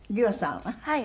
はい。